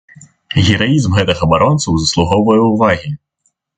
Гераізм гэтых абаронцаў заслугоўвае ўвагі.